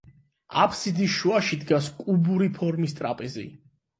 აბსიდის შუაში დგას კუბური ფორმის ტრაპეზი.